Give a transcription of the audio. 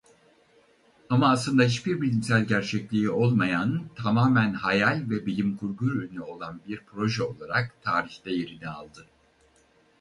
Ama aslında hiçbir bilimsel gerçekliği olmayan tamamen hayal ve bilimkurgu ürünü olan bir proje olarak tarihte yerini aldı.